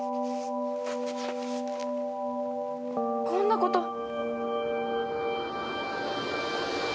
こんなこと。